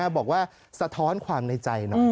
บอกว่าสะท้อนความในใจ